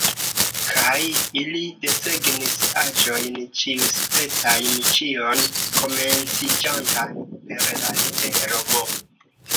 Kaj ili desegnis aĵojn ĉiuspecajn, ĉion komenciĝantan per la litero M.